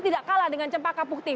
tidak kalah dengan cempaka putih